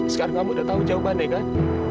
sekarang kamu udah tau jawaban ya kan